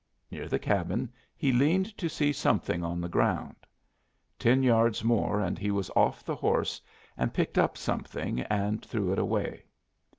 Near the cabin he leaned to see something on the ground. Ten yards more and he was off the horse and picked up something and threw it away.